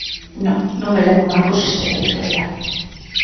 Non, non me levo mal co sistema editorial.